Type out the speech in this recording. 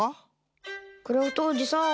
クラフトおじさん。